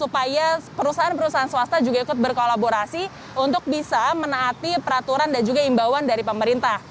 perusahaan perusahaan swasta juga ikut berkolaborasi untuk bisa menaati peraturan dan juga imbauan dari pemerintah